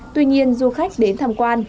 tuy nhiên du khách đến tham quan